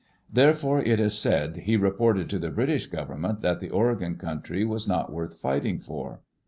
'* Therefore, it is said, he reported to the British government that the Oregon country was not worth fighting for.